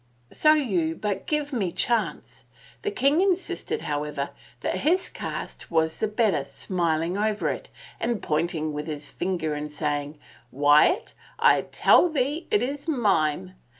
" So you but give me chance. The king insisted, how ever, that his cast was the better, smiling over it, and pointing with his finger and saying, * Wyatt, I tell thee it is mine!